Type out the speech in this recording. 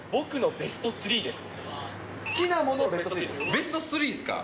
ベスト３っすか。